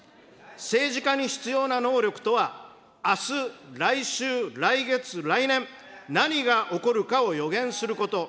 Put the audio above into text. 政治家に必要な能力とは、あす、来週、来月、来年、何が起こるかを予言すること。